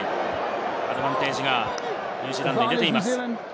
アドバンテージがニュージーランドに出ています。